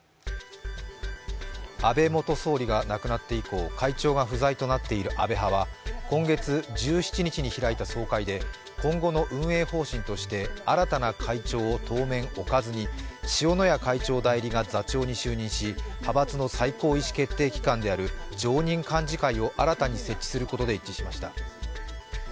安倍元総理が亡くなって以降、会長が不在となっている安倍派は、今月１７日に開いた総会で今後の運営方針として新たな会長を当面、置かずに塩谷会長代理が座長に就任し派閥の最高意思決定機関である常任幹事会を新たに設置することで一致しました。